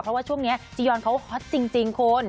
เพราะว่าช่วงนี้จียอนเขาฮอตจริงคุณ